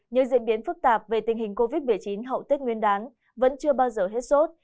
những diễn biến phức tạp về tình hình covid một mươi chín hậu tết nguyên đán vẫn chưa bao giờ hết sốt